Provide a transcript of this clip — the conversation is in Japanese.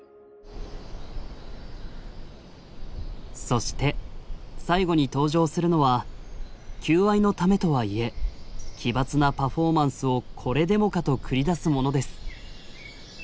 そして最後に登場するのは求愛のためとはいえ奇抜なパフォーマンスをこれでもかと繰り出すものです。